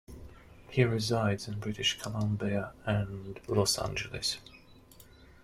He resides in British Columbia and Los Angeles.